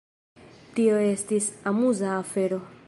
Tio estis amuza afero.